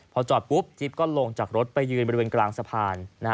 พอจอดปุ๊บจิ๊บก็ลงจากรถไปยืนบริเวณกลางสะพาน